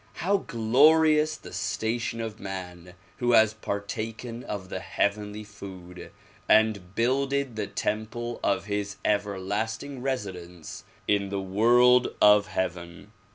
How glorious the station of man who has partaken of the heavenly food and builded the temple of his everlasting resi dence in the world of heaven!